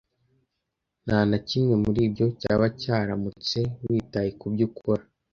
Nta na kimwe muri ibyo cyaba cyaramutse witaye kubyo ukora